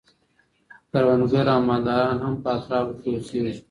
کروندګر او مالداران هم په اطرافو کي اوسیږي.